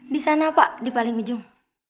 di sana pak di paling ujung